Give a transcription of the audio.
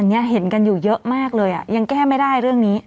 เห็นกันอยู่เยอะมากเลยอ่ะยังแก้ไม่ได้เรื่องนี้